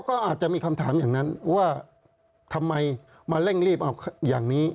ก็อาจจะมีคำถามอย่างนั้นว่าทำไมมาเร่งรีบเอาอย่างนี้